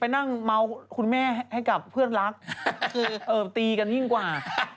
นั่งเมาคุณแม่ให้กับเพื่อนรักคือตีกันยิ่งกว่า